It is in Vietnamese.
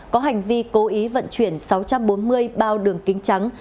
có hành vi cố ý vận chuyển sáu trăm bốn mươi bao đường kính trắng